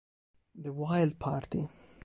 The Wild Party